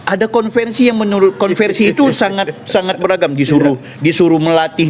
ada konversi yang menurut konversi itu sangat sangat beragam disuruh disuruh melatih